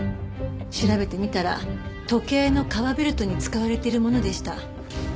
調べてみたら時計の革ベルトに使われているものでした。